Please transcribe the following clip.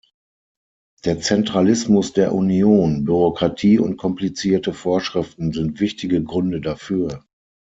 Der Zentralismus der Union, Bürokratie und komplizierte Vorschriften sind wichtige Gründe dafür.